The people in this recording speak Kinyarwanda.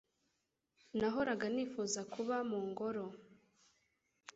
Nahoraga nifuza kuba mu ngoro